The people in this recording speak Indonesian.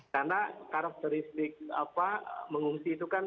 karena karakteristik mengungsi itu kan